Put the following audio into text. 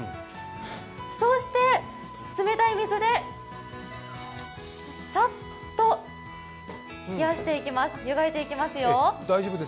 そして、冷たい水で、さっと冷やしていきます。